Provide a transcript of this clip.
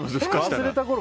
忘れたころ